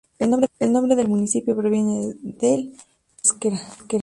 El nombre del municipio proviene del euskera.